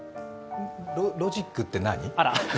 ロジックって何？